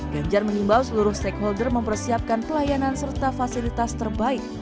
ganjar mengimbau seluruh stakeholder mempersiapkan pelayanan serta fasilitas terbaik